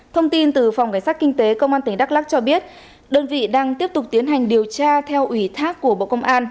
thông tin từ phòng cảnh sát kinh tế công an tỉnh đắk lắc cho biết đơn vị đang tiếp tục tiến hành điều tra theo ủy thác của bộ công an